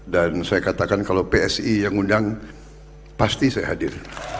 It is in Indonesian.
dan saya katakan kalau psi yang undang pasti saya hadir